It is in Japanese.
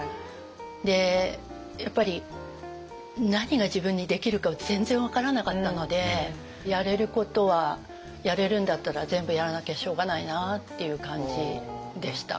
でやっぱり何が自分にできるかを全然分からなかったのでやれることはやれるんだったら全部やらなきゃしょうがないなっていう感じでした。